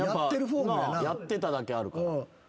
やってただけあるか。